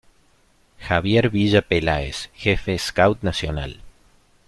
Javier Villa Peláez, Jefe Scout Nacional.